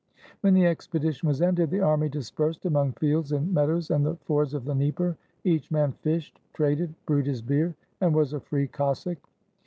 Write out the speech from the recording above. When the expedition was ended, the army dispersed among fields and mead ows, and the fords of the Dnieper; each man fished, traded, brewed his beer, and was a free Cossack.